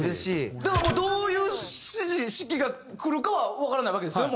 だからどういう指示指揮がくるかはわからないわけですよ